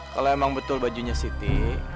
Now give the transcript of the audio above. kalau emang betul bajunya city